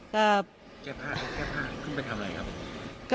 แก้ผ้าขึ้นไปทำอะไรครับผม